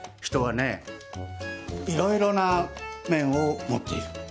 人はねいろいろな面を持っている。